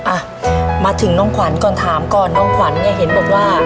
อ่ะมาถึงน้องขวัญก่อนถามก่อนน้องขวัญเนี่ยเห็นบอกว่า